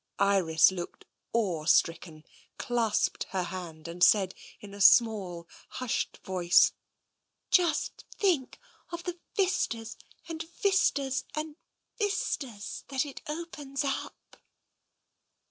Iris looked awe stricken, clasped her hand, and said in a small, hushed voice :" Just think of the vistas and vistas and vistas that it opens up